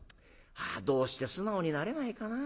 あどうして素直になれないかな。